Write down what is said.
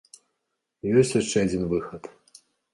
Ёсць яшчэ адзін выхад.